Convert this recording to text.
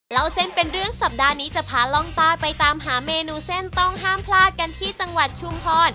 เล่าเส้นเป็นเรื่องสัปดาห์นี้จะพาล่องใต้ไปตามหาเมนูเส้นต้องห้ามพลาดกันที่จังหวัดชุมพร